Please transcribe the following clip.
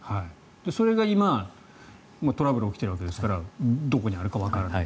それが今、トラブルが起きているわけですからどこにあるかわからない。